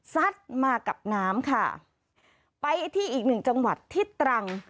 ซัดมากับน้ำค่ะไปที่อีกหนึ่งจังหวัดที่ตรัง